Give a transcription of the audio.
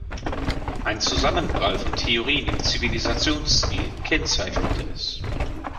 Ein Zusammenprall von Theorien im Zivilisationsstil kennzeichnete es.